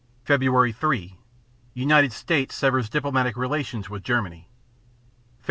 Feb. 3 United States severs diplomatic relations with Germany. Feb.